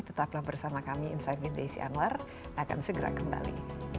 tetaplah bersama kami insar gideisy anwar akan segera kembali